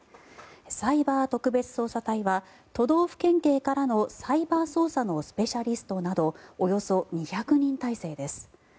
サイバー特別捜査隊は都道府県警からのサイバー捜査のスペシャリストなどおよそ２００人体制です。